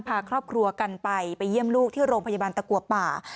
พาครอบครัวกันไปไปเยี่ยมลูกที่โรงพยาบาลตะกัวป่า